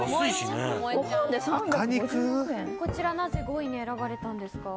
こちらなぜ５位に選ばれたんですか。